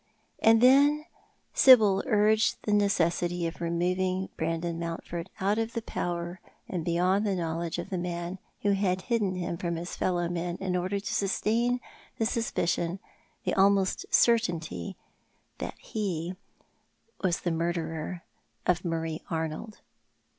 And then Sibyl urged the necessity of removing Brandon :^[ountford out of the power and beyond the knowledge of the man who had hidden him from his fellow men in order to sustain the suspicion— tho almost certainty— that he was the murderer of Marie Arnold.